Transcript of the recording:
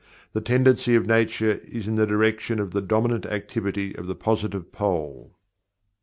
The tendency of Nature is in the direction of the dominant activity of the Positive pole.